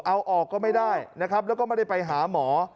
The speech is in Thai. เอาออกก็ไม่ได้นะครับแล้วก็ไม่ได้ไปหาหมอ